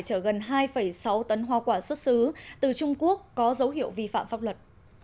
chở gần hai sáu tấn hoa quả xuất xứ từ trung quốc có dấu hiệu vi phạm pháp luật